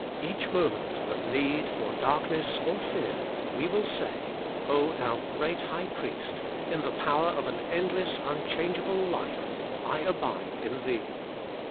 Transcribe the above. Each moment of need, or darkness, or fear, we will say, '0 thou great High Priest, in the power of an endless, un changeable life, I abide in Thee.'